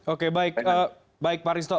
oke baik pak risto